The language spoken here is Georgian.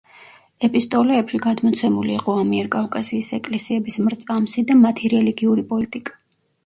ეპისტოლეებში გადმოცემული იყო ამიერკავკასიის ეკლესიების მრწამსი და მათი რელიგიური პოლიტიკა.